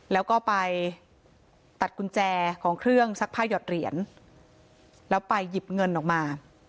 แล้วก็ไปตัดกุญแจของเครื่องซักผ้าหยอดเหรียญแล้วไปหยิบเงินออกมา